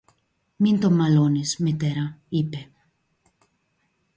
Μην τον μαλώνεις, Μητέρα, είπε